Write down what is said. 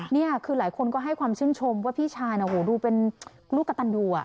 นี่คือหลายคนก็ให้ความชื่นชมว่าพี่ชายดูเป็นลูกกระตันอยู่